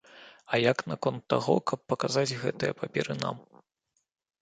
А як наконт таго, каб паказаць гэтыя паперы нам?